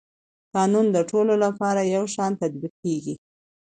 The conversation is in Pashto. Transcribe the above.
قانون د ټولو لپاره یو شان تطبیقېږي.